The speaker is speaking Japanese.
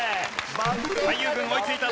俳優軍追いついた。